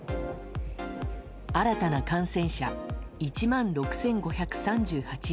新たな感染者、１万６５３８人。